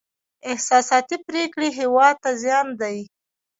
احساساتي پرېکړې هېواد ته زیان دی.